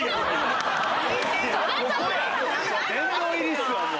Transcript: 殿堂入りっすわ！